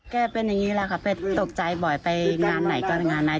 เป็นอย่างนี้แหละค่ะไปตกใจบ่อยไปงานไหนก็งานไหน